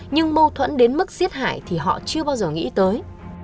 nhưng mâu thuẫn đến mức giết hại thì họ chưa bao giờ nghĩ tới